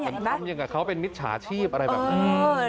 ทำอย่างกับเขาเป็นมิจฉาชีพอะไรแบบนี้